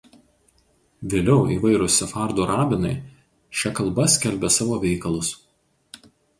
Vėliau įvairūs sefardų rabinai šia kalba skelbė savo veikalus.